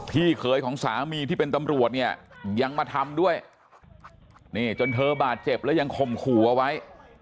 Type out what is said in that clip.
พี่เขยของสามีที่เป็นตำรวจเนี่ยยังมาทำด้วยนี่จนเธอบาดเจ็บแล้วยังข่มขู่เอาไว้